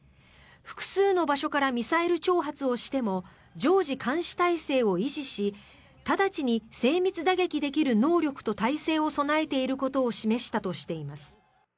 複数の場所からミサイル挑発をしても常時監視態勢を維持し直ちに精密打撃できる能力と態勢を備えていることを示したとしています。